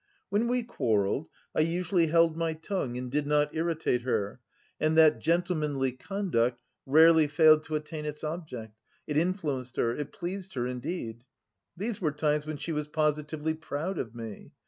When we quarrelled, I usually held my tongue and did not irritate her and that gentlemanly conduct rarely failed to attain its object, it influenced her, it pleased her, indeed. These were times when she was positively proud of me.